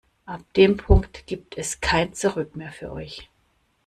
Ab dem Punkt gibt es kein Zurück mehr für euch.